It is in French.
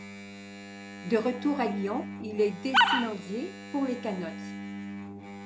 De retour à Lyon, il est dessinandier pour les canuts.